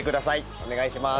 お願いします。